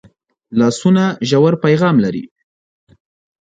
لاسونه ژور پیغام لري